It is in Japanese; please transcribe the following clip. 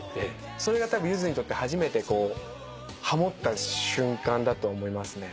それがたぶんゆずにとって初めてハモった瞬間だと思いますね。